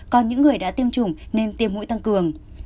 còn những người đã tiêm chủng nên tiêm mũi tăng cường